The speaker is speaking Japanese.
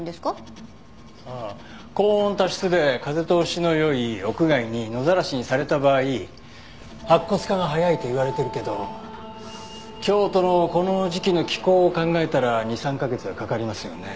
高温多湿で風通しの良い屋外に野ざらしにされた場合白骨化が早いといわれてるけど京都のこの時期の気候を考えたら２３カ月はかかりますよね。